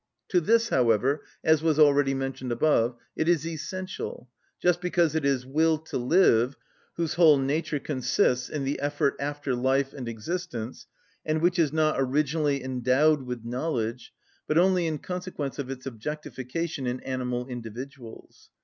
To this, however, as was already mentioned above, it is essential, just because it is will to live, whose whole nature consists in the effort after life and existence, and which is not originally endowed with knowledge, but only in consequence of its objectification in animal individuals.